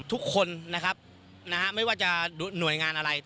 ทุกคนนะครับนะฮะไม่ว่าจะหน่วยงานอะไร